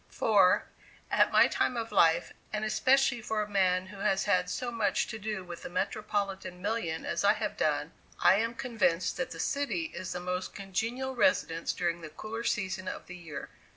For, at my time of life, and especially for a man who has had so much to do with the metropolitan million as I have done, I am convinced that the city is the most congenial residence during the cooler season of the year.